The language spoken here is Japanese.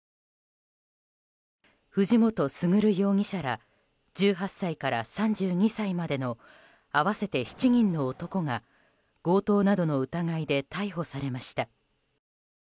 藤本傑容疑者ら１８歳から３２歳までの合わせて７人の男が強盗などの疑いで逮捕されました。